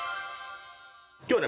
今日はね